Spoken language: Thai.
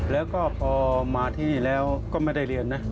แล้วก็พอมาที่นี่แล้วก็ไม่ได้เรียนนะ